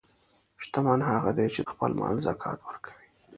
شتمن هغه دی چې د خپل مال زکات ورکوي.